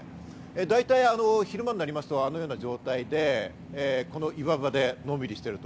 大体昼間になると、あのような状態で、この岩場でのんびりしていると。